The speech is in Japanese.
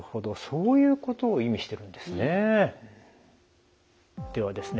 そういうことを意味してるんですね。